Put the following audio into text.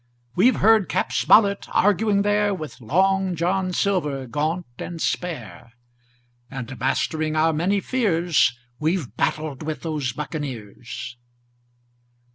We've heard Cap. Smollett arguing there With Long John Silver, gaunt and spare, And mastering our many fears We've battled with those buccaneers.